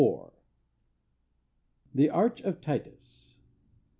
43. The Arch of Titus.